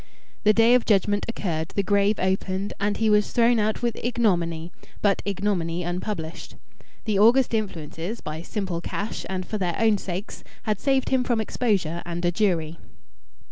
The day of judgment occurred, the grave opened, and he was thrown out with ignominy, but ignominy unpublished. The august influences, by simple cash, and for their own sakes, had saved him from exposure and a jury.